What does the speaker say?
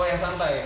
oh yang santai